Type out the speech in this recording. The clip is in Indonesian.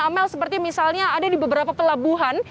amel seperti misalnya ada di beberapa pelabuhan